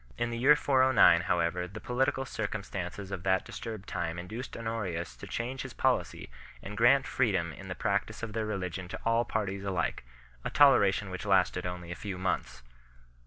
In the year 409 however the political circumstances of that disturbed time induced Honorius to change his policy, and grant freedom in the practice of their religion to all parties alike a toleration which lasted only a few months.